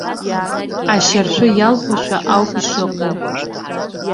Ашьаршәы иалхушәа ауп ишыҟоу!